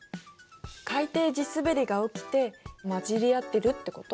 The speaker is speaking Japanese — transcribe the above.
海底地すべりが起きて混じり合ってるってこと？